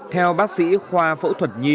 theo bác sĩ khoa phẫu thuật nhi